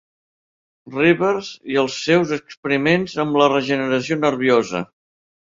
Rivers i els seus experiments amb la regeneració nerviosa.